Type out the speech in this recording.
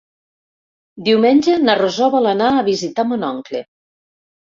Diumenge na Rosó vol anar a visitar mon oncle.